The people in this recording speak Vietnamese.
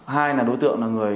hai là đối tượng là người